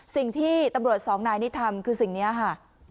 สิ่งที่ตำรวจสองนายนี้ทำคือสิ่งนี้ค่ะ